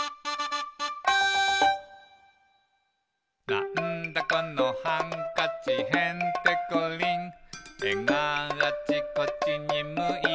「なんだこのハンカチへんてこりん」「えがあちこちにむいている」